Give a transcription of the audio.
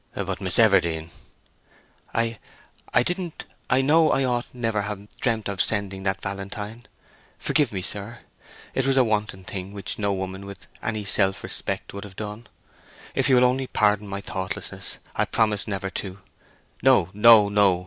"But, Miss Everdene!" "I—I didn't—I know I ought never to have dreamt of sending that valentine—forgive me, sir—it was a wanton thing which no woman with any self respect should have done. If you will only pardon my thoughtlessness, I promise never to—" "No, no, no.